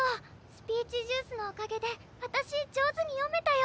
スピーチジュースのおかげであたし上手に読めたよ！